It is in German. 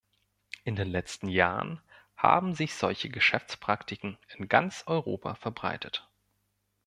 In den letzten Jahren haben sich solche Geschäftspraktiken in ganz Europa verbreitet.